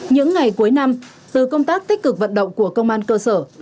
những ngày cuối năm từ công tác tích cực vận động của công an cơ sở